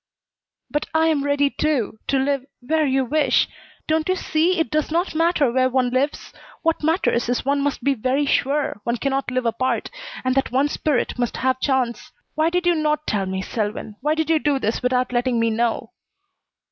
"But I am ready, too, to live where you wish. Don't you see it does not matter where one lives? What matters is one must be very sure one cannot live apart, and that one's spirit must have chance. Why did you not tell me, Selwyn? Why did you do this without letting me know?"